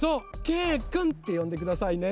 けいくんってよんでくださいね。